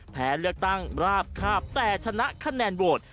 แพ้เลือกตั้งราบคาบแต่ชนะคะแนนโหวต